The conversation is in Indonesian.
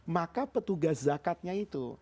maka petugas zakatnya itu